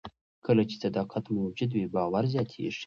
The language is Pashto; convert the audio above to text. کله چې صداقت موجود وي، باور زیاتېږي.